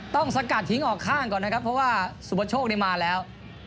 สกัดทิ้งออกข้างก่อนนะครับเพราะว่าสุประโชคมาแล้ว